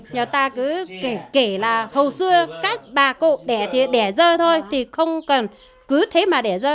nhà ta cứ kể là hầu xưa các bà cụ đẻ thì đẻ dơ thôi thì không còn cứ thế mà để dơ